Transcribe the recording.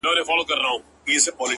وځم له كوره له اولاده شپې نه كوم،